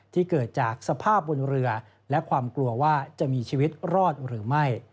ที่เกิดจากสภาพบนเรือและความกลัวว่าจะมีชีวิตรอดหรือไม่